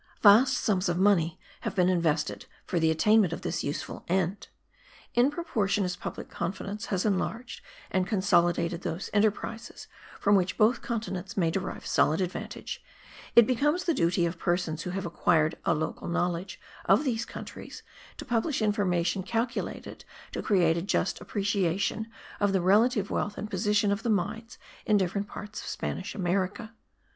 Vast sums of money have been invested for the attainment of this useful end. In proportion as public confidence has enlarged and consolidated those enterprises, from which both continents may derive solid advantage, it becomes the duty of persons who have acquired a local knowledge of these countries to publish information calculated to create a just appreciation of the relative wealth and position of the mines in different parts of Spanish America.